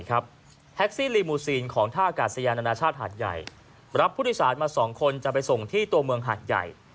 แท็กซี่ลีมูซีนของท่ากาศยานานาชาติหาดใหญ่รับผู้โดยสารมา๒คนจะไปส่งที่ตัวเมืองหาดใหญ่